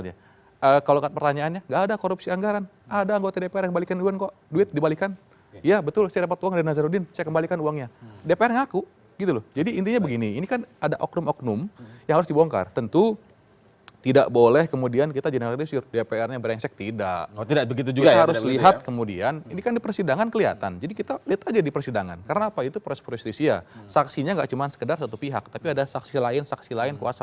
ya tadi kita berbicara seolah dari satu kasus ke kasus lain lain